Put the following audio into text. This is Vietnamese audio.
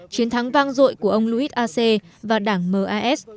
chiến thắng vang dội của ông luis a c và đảng mas